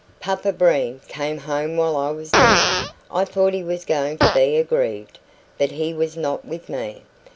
"Papa Breen came home while I was there. I thought he was going to be aggrieved, but he was not with ME.